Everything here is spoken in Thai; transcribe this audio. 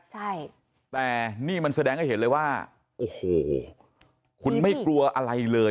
ใช่แต่นี่มันแสดงให้เห็นเลยว่าโอ้โหคุณไม่กลัวอะไรเลย